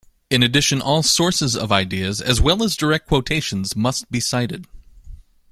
In addition, all sources of ideas as well as direct quotations must be cited.